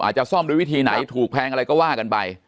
จะซ่อมด้วยวิธีไหนถูกแพงอะไรก็ว่ากันไป